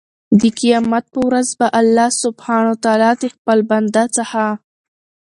د قيامت په ورځ به الله سبحانه وتعالی د خپل بنده څخه